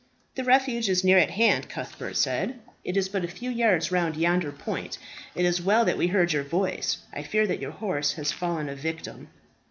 "The refuge is near at hand," Cuthbert said. "It is but a few yards round yonder point. It is well that we heard your voice. I fear that your horse has fallen a victim."